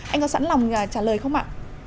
anh có sẵn lòng trả lời không ạ